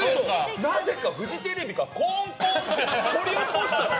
なぜかフジテレビがコンコンって掘り起こしたの。